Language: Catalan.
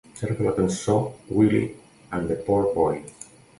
Cerca la cançó Willy and the Poor Boys.